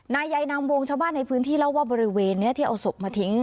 นายใยนำวงชาวบ้านในพื้นที่เล่าว่าบริเวณนี้ที่เอาศพมาทิ้ง